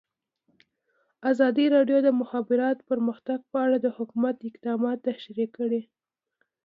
ازادي راډیو د د مخابراتو پرمختګ په اړه د حکومت اقدامات تشریح کړي.